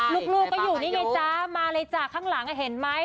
ลูกก็อยู่นี่ไงจ๊ะมาเลยจ้ะข้างหลังเห็นไหม